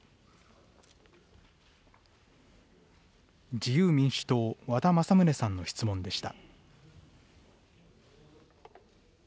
自由民主党、和田政宗さんの質問でした。